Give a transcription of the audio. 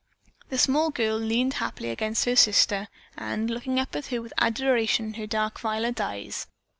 The small girl leaned happily against her sister and looked up at her with adoration in her dark violet eyes.